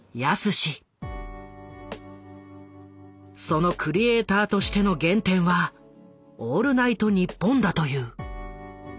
そのクリエーターとしての原点は「オールナイトニッポン」だという。